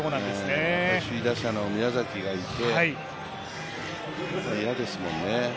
首位打者の宮崎がいて、嫌ですもんね